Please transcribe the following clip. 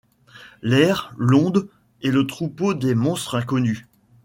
L’air, l’onde, et le troupeau des monstres inconnus ;